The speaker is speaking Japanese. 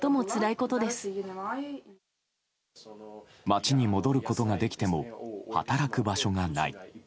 街に戻ることができても働く場所がない。